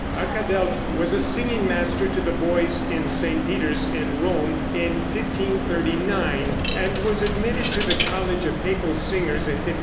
Arkadelt was a singing master to the boys in St. Peter's in Rome in 1539, and was admitted to the college of papal singers in 1540.